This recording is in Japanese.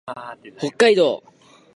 北海道紋別市